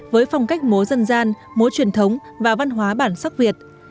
với phong cách múa dân gian múa truyền thống và văn hóa bản sắc việt